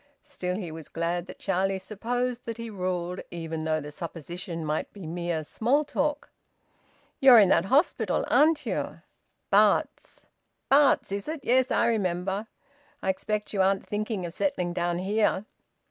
Still he was glad that Charlie supposed that he ruled, even though the supposition might be mere small talk. "You're in that hospital, aren't you?" "Bart's." "Bart's, is it? Yes, I remember. I expect you aren't thinking of settling down here?"